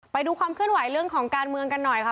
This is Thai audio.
ไปดูความเคลื่อนไหวเรื่องของการเมืองกันหน่อยค่ะ